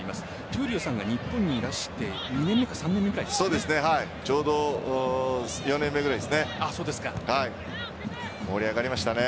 闘莉王さんが日本にいらして２年目か３年目くらいちょうど４年目ぐらいですね。